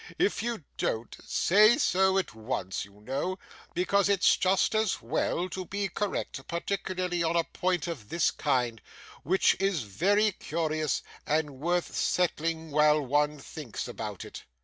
'If you don't, say so at once, you know; because it's just as well to be correct, particularly on a point of this kind, which is very curious and worth settling while one thinks about it.